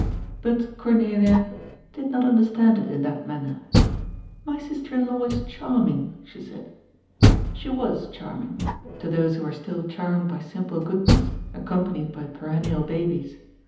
But Cornelia ^'did not understand it in that manner." " My sister in law is charming,'* she said. She was charming — to those who are still charmed by simple goodness, accompanied by perennial babies.